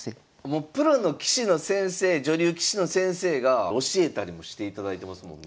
もうプロの棋士の先生女流棋士の先生が教えたりもしていただいてますもんね。